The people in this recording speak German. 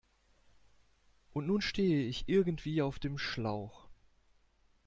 Und nun stehe ich irgendwie auf dem Schlauch.